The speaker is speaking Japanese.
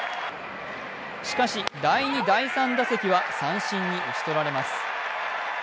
しかし第２、第３打席は三振に打ち取られます。